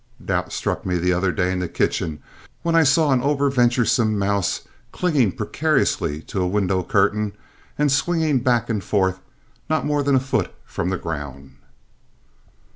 Doubt struck me the other day in the kitchen when I saw an over venturesome mouse clinging precariously to a window curtain and swinging back and forth not more than a foot from the ground.